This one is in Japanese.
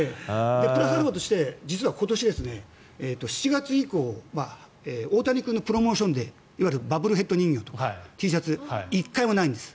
プラスアルファとして実は今年７月以降大谷君のプロモーションでいわゆるボブルヘッド人形とかＴシャツ１回もないんです。